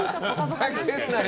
ふざけんなよ！